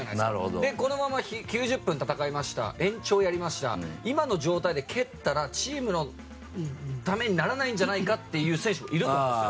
で、このまま９０分戦いました延長やりました今の状態で蹴ったらチームのためにならないんじゃないかという選手もいると思うんですよ。